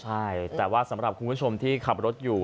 ใช่แต่ว่าสำหรับคุณผู้ชมที่ขับรถอยู่